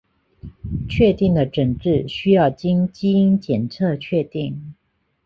确定的诊治需要经基因检测确定。